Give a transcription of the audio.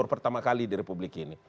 baru pertama kali di republik ini